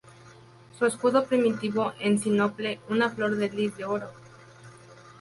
Su escudo primitivo, en sinople, una flor de lis de oro.